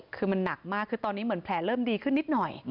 คือมันหนักมากคือตอนนี้เหมือนแผลเริ่มดีขึ้นนิดหน่อย